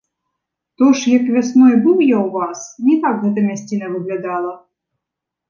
То ж як вясной быў я ў вас, не так гэта мясціна выглядала!